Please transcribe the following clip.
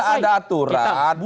tidak ada aturan